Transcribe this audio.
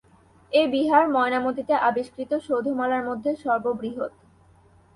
এ বিহার ময়নামতীতে আবিষ্কৃত সৌধমালার মধ্যে সর্ববৃহৎ।